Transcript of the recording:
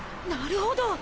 なるほど！